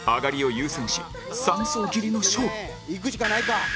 「いくしかないか！」